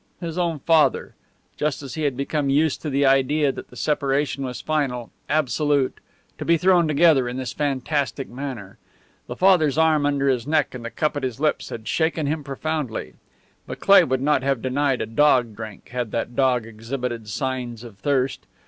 His own father! Just as he had become used to the idea that the separation was final, absolute, to be thrown together in this fantastic manner! The father's arm under his neck and the cup at his lips had shaken him profoundly. But Cleigh would not have denied a dog drink had the dog exhibited signs of thirst.